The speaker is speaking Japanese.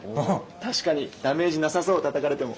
確かにダメージなさそうたたかれても。